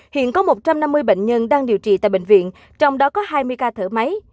hiện có một trăm năm mươi bệnh nhân đang điều trị tại bệnh viện trong đó có hai mươi ca thở máy